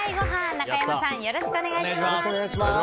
中山さん、よろしくお願いします。